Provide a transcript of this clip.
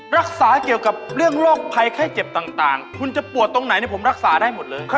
รักษาเกี่ยวกับเรื่องโรคภัยไข้เจ็บต่างคุณจะปวดตรงไหนผมรักษาได้หมดเลย